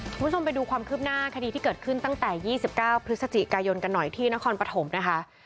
คุณผู้ชมไปดูความคืบหน้าคดีที่เกิดขึ้นตั้งแต่๒๙พฤศจิกายนกันหน่อยที่นครปฐมนะคะ